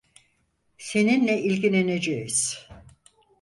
Seninle ilgileneceğiz.